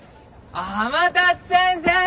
天達先生！